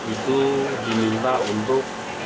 itu diminta untuk